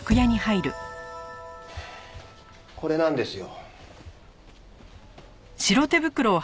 これなんですよ。